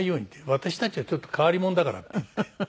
私たちはちょっと変わり者だからって言って。